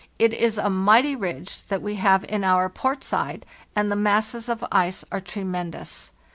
It is a mighty ridge that we have in our port side, and the masses of ice are tremendous.